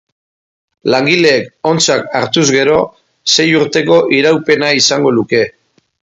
Langileek ontzat hartuz gero, sei urteko iraupena izango luke.